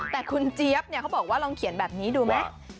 แต่คุณเจี๊ยบเขาบอกว่าลองเขียนแบบนี้ดูไหม